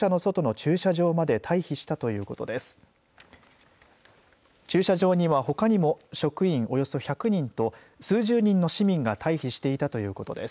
駐車場にはほかにも職員およそ１００人と数十人の市民が退避していたということです。